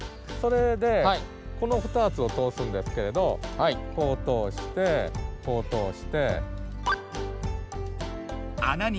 それでこの２つを通すんですけれどこう通してこう通して。